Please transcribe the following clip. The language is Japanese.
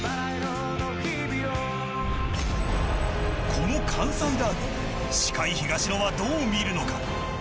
この関西ダービー司会、東野はどう見るのか。